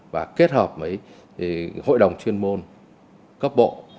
và kết hợp với hội đồng chuyên môn cấp bộ